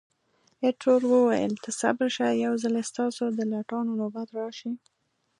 ایټور وویل، ته صبر شه، یو ځلي ستاسو د لټانو نوبت راشي.